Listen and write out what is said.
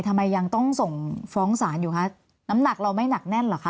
ทำไมยังต้องส่งฟ้องศาลอยู่คะน้ำหนักเราไม่หนักแน่นเหรอคะ